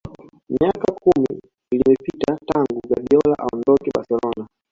Miaka kumi imepita tangu Guardiola aondoke Barcelona